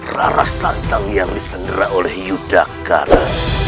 rara santang yang disenderah oleh yudhaka